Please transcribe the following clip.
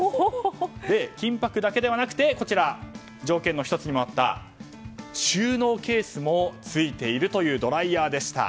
金箔だけではなくて条件の１つにもあった収納ケースもついているというドライヤーでした。